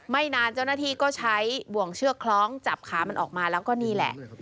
ไม่นานเจ้าหน้าที่ก็ใช้บ่วงเชือกคล้องจับขามันออกมาแล้วก็นี่แหละ